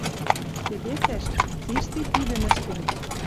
Келесӓш: цишти тидӹм ӹштен